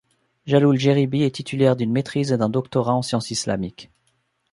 Jalloul Jeribi est titulaire d'une maîtrise et d'un doctorat en sciences islamiques.